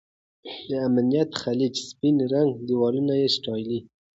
د ازمېت خلیج سپین رنګي دیوالونه یې ستایلي.